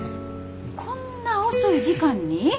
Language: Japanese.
こんな遅い時間に？